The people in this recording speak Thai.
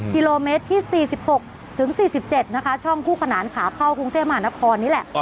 กิโลเมตรที่๔๖ถึง๔๗นะคะช่องคู่ขนานขาเข้ากรุงเทพมหานครนี่แหละ